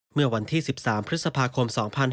เมื่อวันที่๑๓พฤษภาคม๒๕๕๙